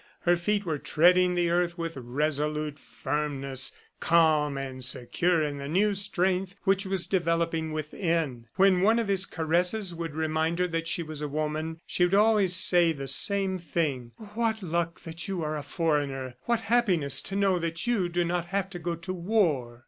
Her feet were treading the earth with resolute firmness, calm and secure in the new strength which was developing within. When one of his caresses would remind her that she was a woman, she would always say the same thing, "What luck that you are a foreigner! ... What happiness to know that you do not have to go to war!"